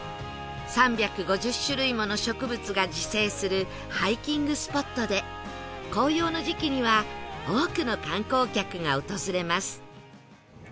３５０種類もの植物が自生するハイキングスポットで紅葉の時期には多くの観光客が訪れます